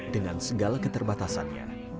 dengan segala keterbatasannya